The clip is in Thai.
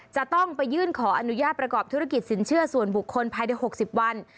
จะต้องไปยื่นขออนุญาตประกอบธุรกิจสินเชื่อส่วนบุคคลภายใน๖๐วัน